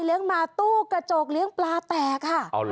เลี้ยงมาตู้กระจกเลี้ยงปลาแตก